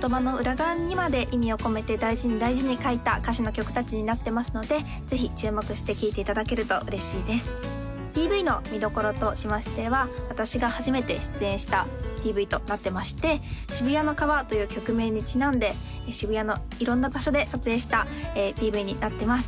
言葉の裏側にまで意味を込めて大事に大事に書いた歌詞の曲達になってますのでぜひ注目して聴いていただけると嬉しいですＰＶの見どころとしましては私が初めて出演したＰＶとなってまして「シブヤノカワ」という曲名にちなんで渋谷の色んな場所で撮影したＰＶになってます